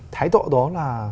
thái độ đó là